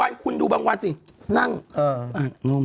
เพิ่มดูบางวันนั่งน้อม